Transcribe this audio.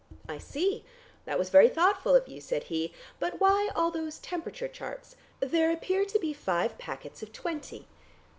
"I see. That was very thoughtful of you," said he. "But why all those temperature charts! There appear to be five packets of twenty."